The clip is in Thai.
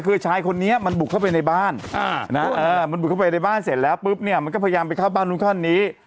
คือชายคนนี้มันบุกเข้าไปในบ้านเสร็จแล้วปุ๊บเนี่ยมันก็พยายามไปเข้าบ้านนู้นข้างนี้